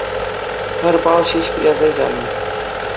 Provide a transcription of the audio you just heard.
Пӗр балл ҫеҫ выляса янӑ